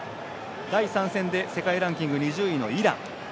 第３戦で世界ランキング２０位のイラン。